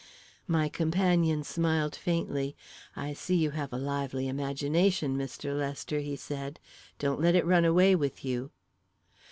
My companion smiled faintly. "I see you have a lively imagination, Mr. Lester," he said. "Don't let it run away with you."